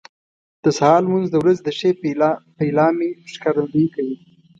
د سهار لمونځ د ورځې د ښې پیلامې ښکارندویي کوي.